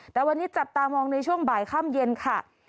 แต่วันนี้จับตามองในช่วงบ่ายค่ำเย็นค่ะ